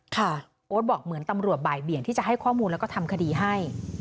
โอ๊ตบอกเหมือนตำรวจบ่ายเบี่ยงที่จะให้ข้อมูลแล้วก็ทำคดีให้